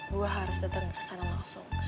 gue harus dateng kesana langsung